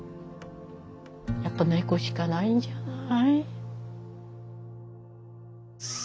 やっぱ猫しかないんじゃない？